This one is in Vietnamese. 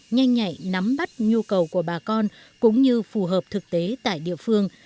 nhanh nhạy nắm bắt nhu cầu của bà con cũng như phù hợp thực tế tại địa phương